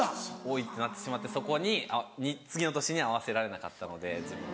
なってしまってそこに次の年に合わせられなかったので自分が。